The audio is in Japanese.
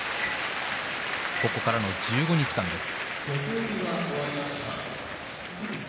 ここからの１５日間です。